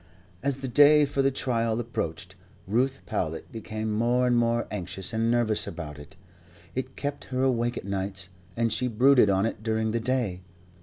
As the day for the trial approached, Ruth Powlett became more and more anxious and nervous about it. It kept her awake at nights, and she brooded on it during the day.